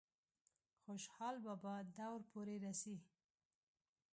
خوشحال بابا دور پورې رسي ۔